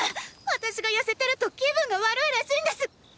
私が痩せてると気分が悪いらしいんです彼っ！